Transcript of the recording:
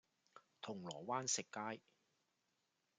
銅鑼灣食街